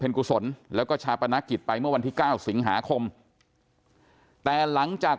กุศลแล้วก็ชาปนกิจไปเมื่อวันที่เก้าสิงหาคมแต่หลังจาก